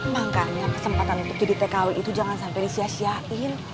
makanya kesempatan untuk jadi tkw itu jangan sampai disiasiain